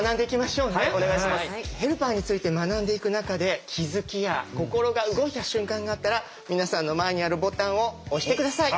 ヘルパーについて学んでいく中で気付きや心が動いた瞬間があったら皆さんの前にあるボタンを押して下さい。